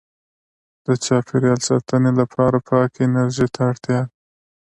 • د چاپېریال ساتنې لپاره پاکې انرژۍ ته اړتیا ده.